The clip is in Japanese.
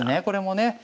これもね。